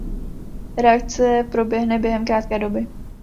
Reakce proběhne během krátké doby.